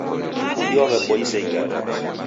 Fundi waw'epoisa igare